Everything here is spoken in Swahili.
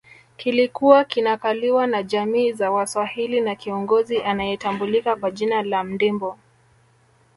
Kilikuwa kinakaliwa na jamii za Waswahili na kiongozi anayetambulika kwa jina la Mndimbo